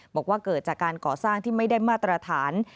บอกว่าเกิดจากการก่อสร้างที่ไม่ได้มาตรฐาน